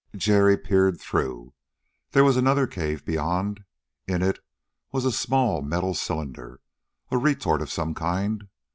Jerry peered through. There was another cave beyond. In it was a small metal cylinder, a retort of some kind.